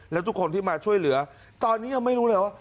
แล้วทุกคนที่มาช่วยเหลือตอนนี้ยังไม่รู้เลยว่า